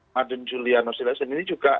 maden julian oscillation ini juga